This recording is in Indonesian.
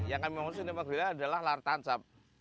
yang kami maksudin sinema grelia adalah layar tancap